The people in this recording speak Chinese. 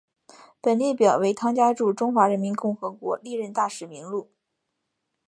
本列表为汤加驻中华人民共和国历任大使名录。